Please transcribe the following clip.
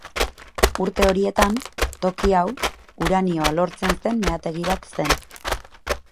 Urte horietan, toki hau uranioa lortzen zen meategi bat zen.